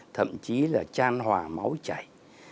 thậm chí là tran hòa máu chảy